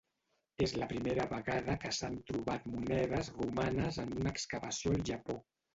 És la primera vegada que s'han trobat monedes romanes en una excavació al Japó.